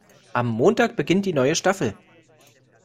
Am Montag beginnt die neue Staffel.